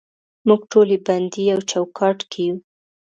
موږ ټولې بندې یو چوکاټ کې یو